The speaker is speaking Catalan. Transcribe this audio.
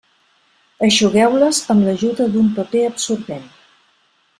Eixugueu-les amb l'ajuda d'un paper absorbent.